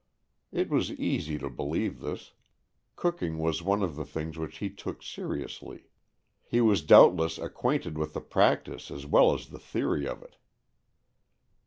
'' It was easy to believe this. Cooking was one of the things which he took seriously. He was doubtless acquainted with the prac tice as well as the theory of it.